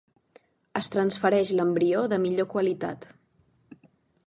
Es transfereix l’embrió de millor qualitat.